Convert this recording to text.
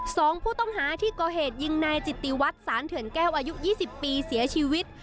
สองผู้ต้องหาที่ก่อเหตุยิงนายจิตติวัตรสารเถื่อนแก้วอายุยี่สิบปีเสียชีวิต